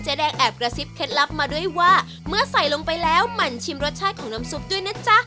แดงแอบกระซิบเคล็ดลับมาด้วยว่าเมื่อใส่ลงไปแล้วมันชิมรสชาติของน้ำซุปด้วยนะจ๊ะ